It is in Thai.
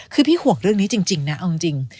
คือพี่ห่วงเรื่องนี้จริงนะเอาจริง